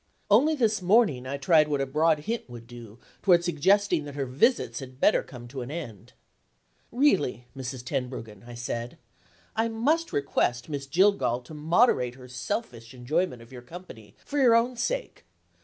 Only this morning, I tried what a broad hint would do toward suggesting that her visits had better come to an end. "Really, Mrs. Tenbruggen," I said, "I must request Miss Jillgall to moderate her selfish enjoyment of your company, for your own sake.